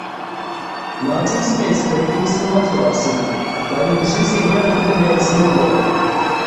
Mācīsimies, pētīsim un atklāsim. Lai mums visiem jauka nedēļas nogale!